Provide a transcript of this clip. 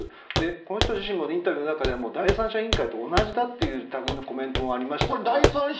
この人自身もインタビューの中で第三者委員会と同じだという類いのコメントがありました。